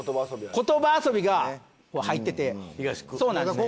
言葉遊びが入ってて。